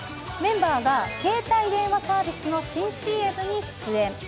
メンバーが携帯電話サービスの新ＣＭに出演。